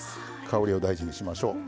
香りを大事にしましょう。